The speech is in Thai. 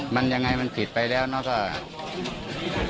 มันอย่างไงมันผิดไปแล้วนะครับ